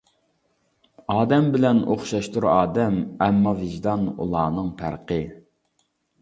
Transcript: ئادەم بىلەن ئوخشاشتۇر ئادەم، ئەمما ۋىجدان ئۇلارنىڭ پەرقى.